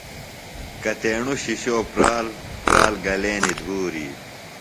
کتِیݨوۡ شِشوؤ پرال، پرال گلینیۡ دُھوری